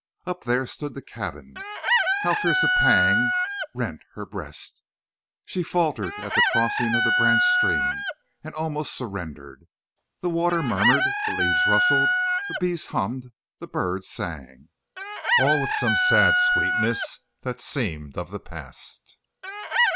Up there stood the cabin. How fierce a pang rent her breast! She faltered at the crossing of the branch stream, and almost surrendered. The water murmured, the leaves rustled, the bees hummed, the birds sang—all with some sad sweetness that seemed of the past.